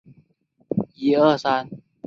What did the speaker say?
丽江柃为山茶科柃木属下的一个种。